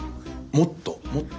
もっともっと。